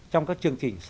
trong các chương trình sau